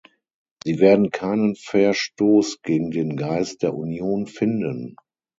Sie werden keinen Verstoß gegen den Geist der Union finden!